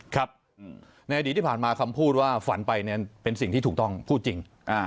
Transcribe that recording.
ครับในอดีตที่ผ่านมาคำพูดว่าฝันไปเนี่ยเป็นสิ่งที่ถูกต้องพูดจริง